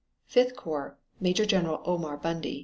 Fifth corps Major General Omar Bundy.